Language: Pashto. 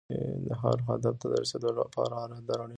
هر هدف ته د رسېدو لپاره اراده اړینه ده.